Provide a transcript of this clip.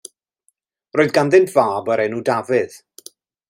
Roedd ganddynt fab o'r enw Dafydd.